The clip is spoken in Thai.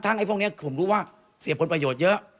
ไอ้พวกนี้ผมรู้ว่าเสียผลประโยชน์เยอะ